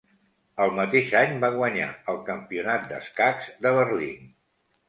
El mateix any, va guanyar el Campionat d'escacs de Berlín.